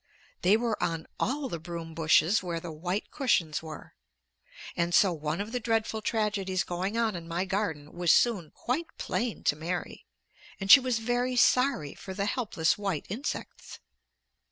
They were on all the broom bushes where the white cushions were. And so one of the dreadful tragedies going on in my garden was soon quite plain to Mary, and she was very sorry for the helpless white insects.